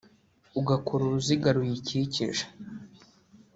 ugakora uruziga ruyikikije